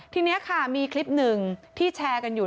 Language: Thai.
ทีนี้ค่ะมีคลิปหนึ่งที่แชร์กันอยู่